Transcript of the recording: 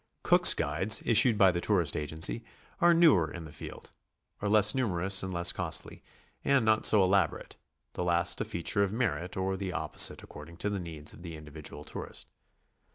Cook's guides, issued by the tourist agency, are newer in the field, are less numerous and less costly, and not so elab orate, the last a feature of merit or the opposite according to the needs of the individual tourist.